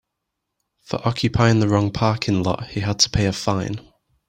For occupying the wrong parking lot he had to pay a fine.